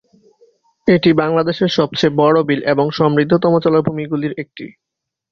এটি বাংলাদেশের সবচেয়ে বড় বিল এবং সমৃদ্ধতম জলাভূমিগুলির একটি।